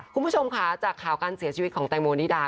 คุณผู้ชมค่ะจากข่าวการเสียชีวิตของแตงโมนิดา